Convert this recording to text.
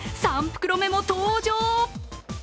３袋目も登場！